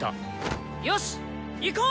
よし行こう！